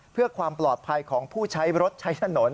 เพื่อความปลอดภัยของผู้ใช้รถใช้ถนน